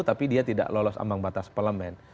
tapi dia tidak lolos ambang batas parlemen